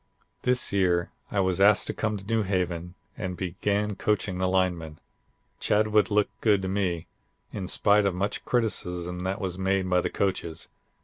This year I was asked to come to New Haven and began coaching the linemen. Chadwick looked good to me, in spite of much criticism that was made by the coaches.